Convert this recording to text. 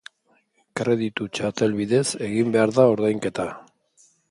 Kreditu txartel bidez egin behar da ordainketa.